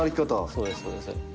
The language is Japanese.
そうですそうです。